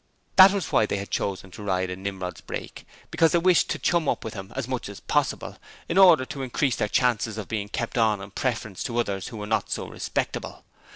That was why they had chosen to ride in Nimrod's brake because they wished to chum up with him as much as possible, in order to increase their chances of being kept on in preference to others who were not so respectable.